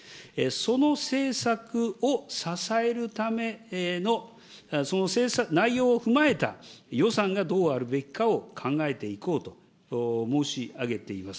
その政策を支えるための、その内容を踏まえた予算がどうあるべきかを考えていこうと申し上げています。